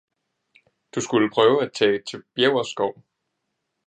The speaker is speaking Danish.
Du skulle prøve at tage til Bjæverskov